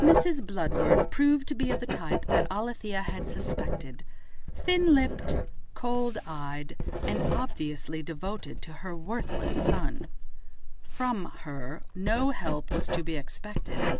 Mrs. Bludward proved to be of the type that Alethia had suspected, thin lipped, cold eyed, and obviously devoted to her worthless son. From her no help was to be expected.